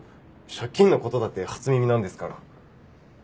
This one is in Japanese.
借金の事だって初耳なんですから。